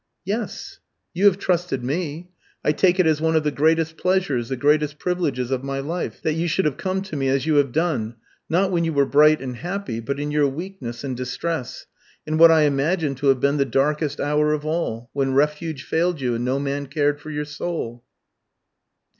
"Yes; you have trusted me. I take it as one of the greatest pleasures, the greatest privileges of my life, that you should have come to me as you have done not when you were bright and happy, but in your weakness and distress, in what I imagine to have been the darkest hour of all, when refuge failed you, and no man cared for your soul."